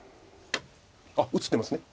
あっ映ってますね。